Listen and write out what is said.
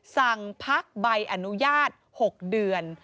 สั่งพักใบอนุญาต๖เดือน